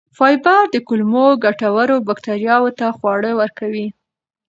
فایبر د کولمو ګټورو بکتریاوو ته خواړه ورکوي.